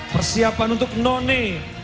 persiapan untuk none